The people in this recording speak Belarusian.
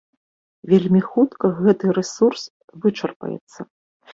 Вельмі хутка гэты рэсурс вычарпаецца.